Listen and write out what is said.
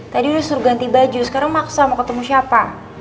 tadi udah suruh ganti baju sekarang maksa mau ketemu siapa